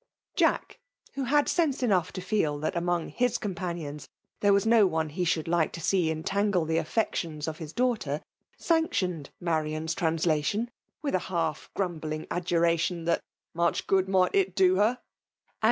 Jack, who had sense enough to feel that among his companions there waa DO one he should Eke to see entangle tbe aftdions of bis daug:hter, sanctioned Marian's tnmahiion, witb a half gmmbUng adjuration thai ''Moiclx goQ^ mght it do berT— m»4 44 FEMALE l!>